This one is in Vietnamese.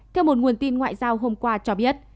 theo một nguồn tin ngoại giao hôm qua cho biết